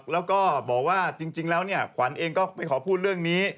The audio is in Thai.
แล้วก็บอกว่าจริงแล้วเนี่ยขวัญเองก็ไม่ขอพูดเรื่องนี้